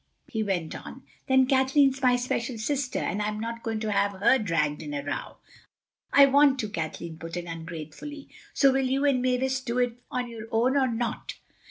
He went on: "Then Kathleen's my special sister and I'm not going to have her dragged into a row. ("I want to," Kathleen put in ungratefully.) So will you and Mavis do it on your own or not?"